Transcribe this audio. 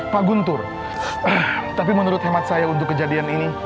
pak guntur tapi menurut hemat saya untuk kejadian ini